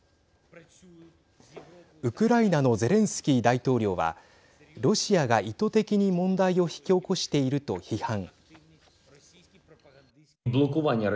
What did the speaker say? ウクライナのゼレンスキー大統領はロシアが意図的に問題を引き起こしていると批判。